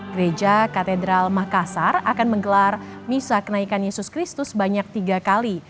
gereja katedral makassar akan menggelar misa kenaikan yesus kristus sebanyak tiga kali